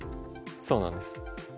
そうなんです。